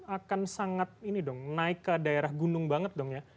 akan sangat ini dong naik ke daerah gunung banget dong ya